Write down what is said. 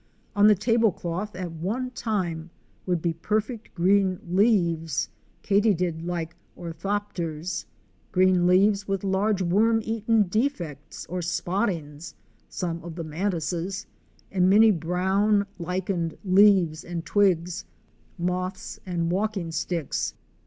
On the table cloth at one time would be perfect green leaves (katydid like orthopters), green leaves with large worm caten defects or spottings (some of the mantises) and many brown, lichened leaves and_ twigs (moths and walking sticks).